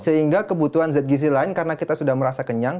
sehingga kebutuhan zat gizi lain karena kita sudah merasa kenyang